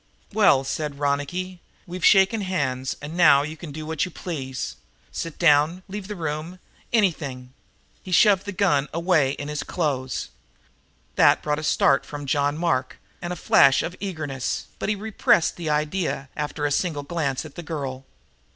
"Well," said Ronicky, "we've shaken hands, and now you can do what you please! Sit down, leave the room anything." He shoved his gun away in his clothes. That brought a start from John Mark and a flash of eagerness, but he repressed the idea, after a single glance at the girl.